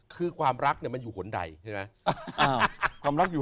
คือความรักมันอยู่หนไดใช่มั้ย